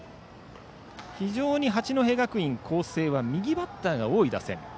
非常に八戸学院光星は右バッターが多い打線。